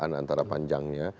ada perbedaan antara panjangnya